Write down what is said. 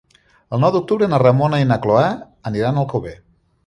El nou d'octubre na Ramona i na Cloè aniran a Alcover.